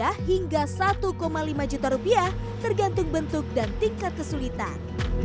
harga hingga rp satu lima juta rupiah tergantung bentuk dan tingkat kesulitan